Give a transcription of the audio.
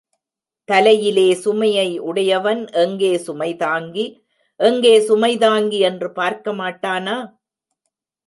தலையிலே சுமையை உடையவன் எங்கே சுமைதாங்கி, எங்கே சுமைதாங்கி என்று பார்க்க மாட்டானா?